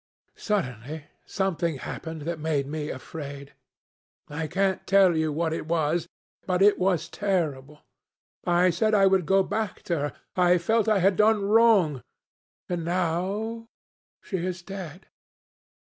Suddenly something happened that made me afraid. I can't tell you what it was, but it was terrible. I said I would go back to her. I felt I had done wrong. And now she is dead.